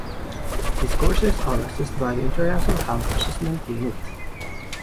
These courses are assessed by the International House Assessment Unit.